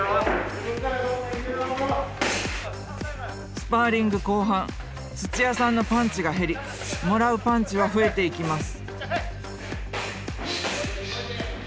スパーリング後半土屋さんのパンチが減りもらうパンチは増えていきます。